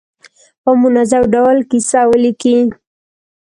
په منظم ډول کیسه ولیکي.